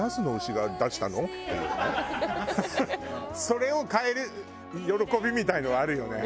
それを買える喜びみたいなのあるよね。